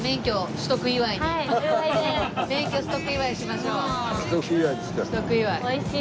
取得祝い。